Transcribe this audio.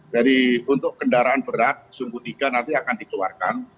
jadi untuk kendaraan berat sumbu tiga nanti akan dikeluarkan